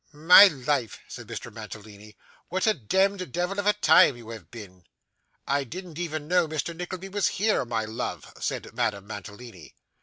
'My life,' said Mr. Mantalini, 'what a demd devil of a time you have been!' 'I didn't even know Mr. Nickleby was here, my love,' said Madame Mantalini.